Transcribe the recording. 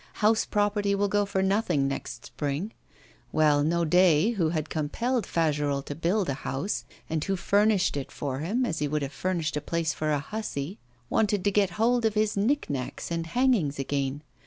House property will go for nothing next spring! Well, Naudet, who had compelled Fagerolles to build a house, and who furnished it for him as he would have furnished a place for a hussy, wanted to get hold of his nick nacks and hangings again.